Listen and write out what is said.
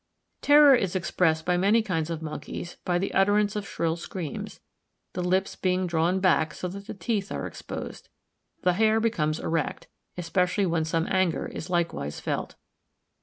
Terror is expressed by many kinds of monkeys by the utterance of shrill screams; the lips being drawn back, so that the teeth are exposed. The hair becomes erect, especially when some anger is likewise felt.